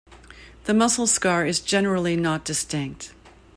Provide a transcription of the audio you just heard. The muscle scar is generally not distinct.